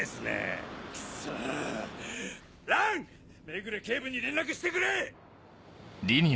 目暮警部に連絡してくれ！